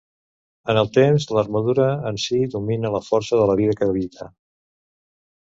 En el temps, l'armadura en si domina la força de la vida que habita.